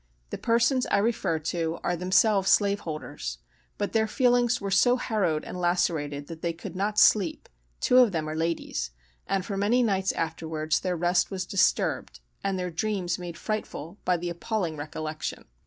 The persons I refer to are themselves slave holders,—but their feelings were so harrowed and lacerated that they could not sleep (two of them are ladies); and for many nights afterwards their rest was disturbed, and their dreams made frightful, by the appalling recollection.